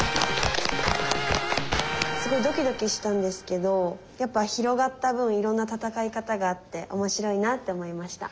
すごいドキドキしたんですけどやっぱ広がった分いろんな戦い方があって面白いなって思いました。